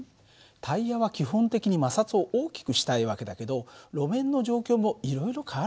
タイヤは基本的に摩擦を大きくしたい訳だけど路面の状況もいろいろ変わるからね。